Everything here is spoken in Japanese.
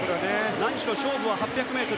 何しろ勝負は８００ｍ。